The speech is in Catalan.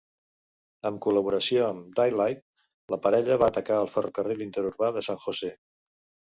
En col·laboració amb Daylight, la parella va atacar el ferrocarril interurbà de San Jose.